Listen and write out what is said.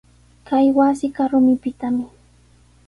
Kay wasiqa rumipitami.